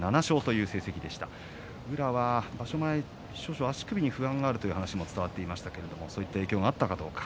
宇良は場所前、足首に不安があるという話も伝わっていましたがそういう影響はあったでしょうか。